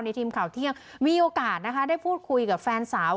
ทีมข่าวเที่ยงมีโอกาสนะคะได้พูดคุยกับแฟนสาว